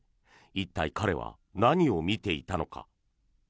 一体、彼は何を見ていたのか。